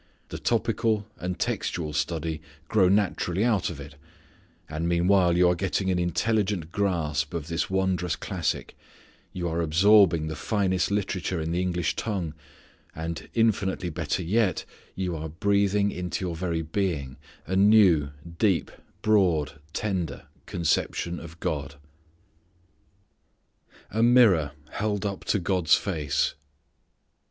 The topical and textual study grow naturally out of it. And meanwhile you are getting an intelligent grasp of this wondrous classic, you are absorbing the finest literature in the English tongue, and infinitely better yet, you are breathing into your very being a new, deep, broad, tender conception of God. A Mirror Held up to God's Face.